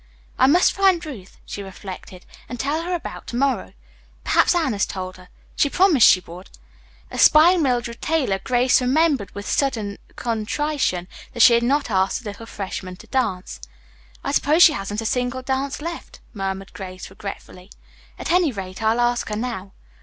"I must find Ruth," she reflected, "and tell her about to morrow. Perhaps Anne has told her. She promised she would." Espying Mildred Taylor, Grace remembered with sudden contrition that she had not asked the little freshman to dance. "I suppose she hasn't a single dance left," murmured Grace regretfully. "At any rate, I'll ask her now."